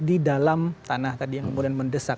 di dalam tanah tadi yang kemudian mendesak